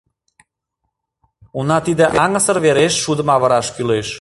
Уна тиде аҥысыр вереш шудым авыраш кӱлеш!